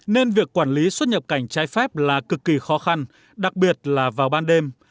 nên việc quản lý xuất nhập cảnh trái phép là cực kỳ khó khăn đặc biệt là vào ban đêm